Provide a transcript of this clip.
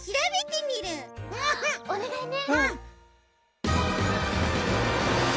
おねがいね。